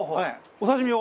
お刺身を？